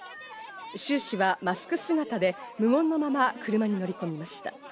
シュウ氏はマスク姿で無言のまま車に乗り込みました。